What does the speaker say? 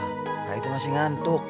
ayah itu masih ngantuk